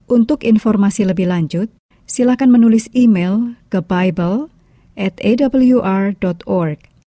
untuk informasi lebih lanjut silakan menulis email ke bible awr org